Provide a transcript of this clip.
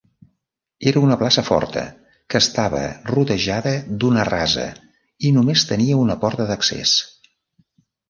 Era una plaça forta que estava rodejada d'una rasa i només tenia una porta d'accés.